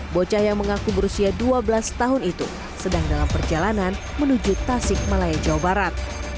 bocah yang mengaku berusia dua belas tahun itu sedang dalam perjalanan menuju tasik malaya jawa barat